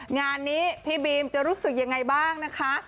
งานนี้พี่บีมจะรู้สึกยังไงบ้างนะคะ